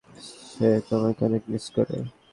সে তোমাকে অনেক মিস করে।